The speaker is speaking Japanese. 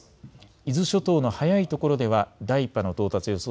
伊豆諸島の早いところでは第１波の到達予想